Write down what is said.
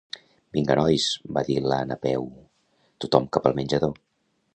Vinga nois —va dir la Napeu—, tothom cap al menjador.